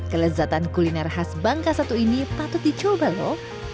kelezatan kuliner khas bangka satu ini patut dicoba lho